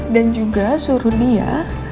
dan juga suruh dia